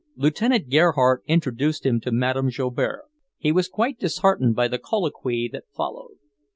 Lieutenant Gerhardt introduced him to Madame Joubert. He was quite disheartened by the colloquy that followed.